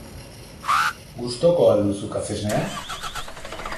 Gustuko al duzu kafesnea?